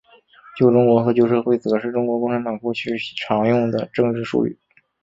旧中国和旧社会则是中国共产党过去常用的政治术语。